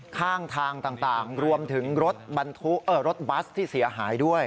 ข้างทางต่างรวมถึงรถบรรทุกรถบัสที่เสียหายด้วย